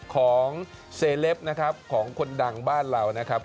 ของเซเลปนะครับของคนดังบ้านเรานะครับ